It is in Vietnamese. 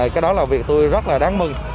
cái đó là việc tôi rất là đáng mừng